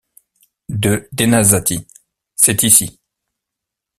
De Denasatis. — C’est ici.